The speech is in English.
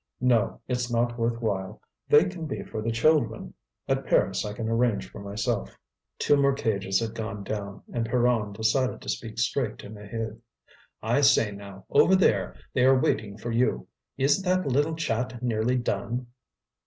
"No, it's not worth while; they can be for the children. At Paris I can arrange for myself." Two more cages had gone down, and Pierron decided to speak straight to Maheude. "I say now, over there, they are waiting for you! Is that little chat nearly done?"